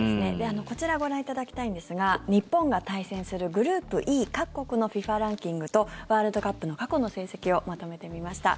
こちらご覧いただきたいのですが日本が対戦するグループＥ各国のＦＩＦＡランキングとワールドカップの過去の成績をまとめてみました。